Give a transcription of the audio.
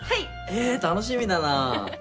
ええ楽しみだなあ。